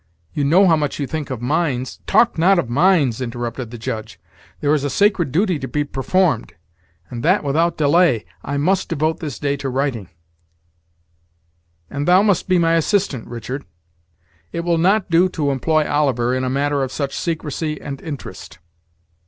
You know how much you think of mines " "Talk not of mines," interrupted the Judge: "there is a sacred duty to be performed, and that without delay, I must devote this day to writing; and thou must be my assistant, Richard; it will not do to employ Oliver in a matter of such secrecy and interest."